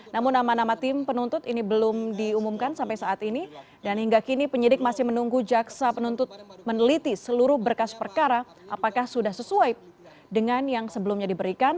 namun nama nama tim penuntut ini belum diumumkan sampai saat ini dan hingga kini penyidik masih menunggu jaksa penuntut meneliti seluruh berkas perkara apakah sudah sesuai dengan yang sebelumnya diberikan